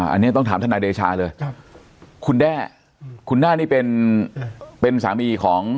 อันนี้ต้องถามท่านนายเดชาเลยครับคุณแด้คุณน่านี่เป็นเป็นสามีของ